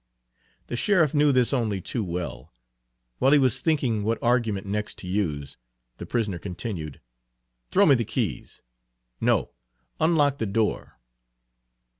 The sheriff knew this only too well. While he was thinking what argument next to use, the prisoner continued: "Throw me the keys no, unlock the door."